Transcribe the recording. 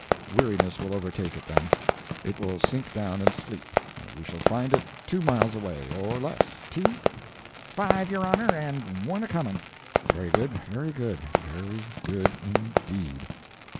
Weariness will overtake it then. It will sink down and sleep. We shall find it two miles away, or less. Teeth?' "'Five, your Honor, and one a coming.' "'Very good, very good, very good, indeed.'